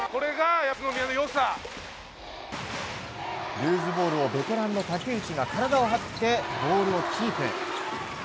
ルーズボールをベテランの竹内が体を張ってボールをキープ。